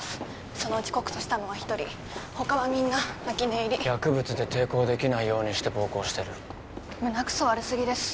そのうち告訴したのは一人他はみんな泣き寝入り薬物で抵抗できないようにして暴行してる胸くそ悪すぎです